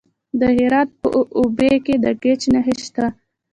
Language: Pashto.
د هرات په اوبې کې د ګچ نښې شته.